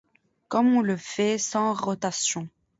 Comme on le fait sans rotation.